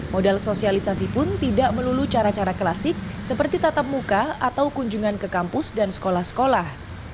modal sosialisasi pun tidak melulu cara cara klasik seperti tatap muka atau kunjungan ke kampus dan sekolah sekolah